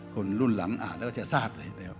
คนรุ่นหลังอ่านแล้วก็จะทราบหลายแนว